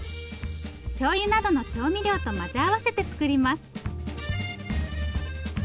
しょうゆなどの調味料と混ぜ合わせて作ります。